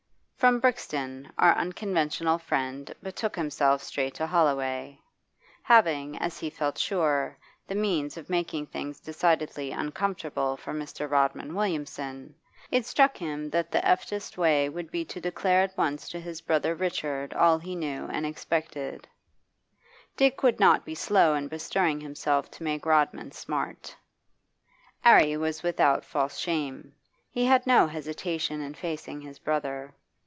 From Brixton our unconventional friend betook himself straight to Holloway. Having, as he felt sure, the means of making things decidedly uncomfortable for Mr. Rodman Williamson, it struck him that the eftest way would be to declare at once to his brother Richard all he knew and expected; Dick would not be slow in bestirring himself to make Rodman smart 'Arry was without false shame; he had no hesitation in facing his brother.